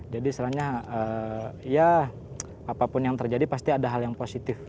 istilahnya ya apapun yang terjadi pasti ada hal yang positif